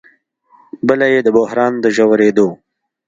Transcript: بله یې د بحران د ژورېدو